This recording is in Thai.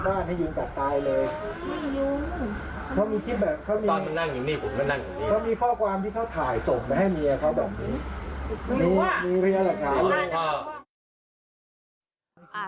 ขอบบุญค่ะ